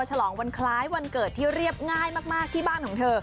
ฉลองวันคล้ายวันเกิดที่เรียบง่ายมากที่บ้านของเธอ